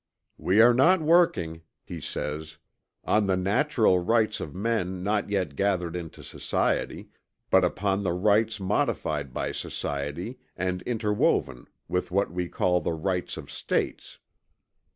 "We are not working," he says, "on the natural rights of men not yet gathered into society, but upon the rights modified by society and interwoven with what we call the rights of States."